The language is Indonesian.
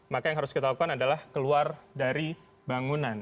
maka yang harus kita lakukan adalah keluar dari bangunan